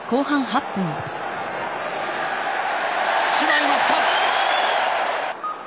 決まりました！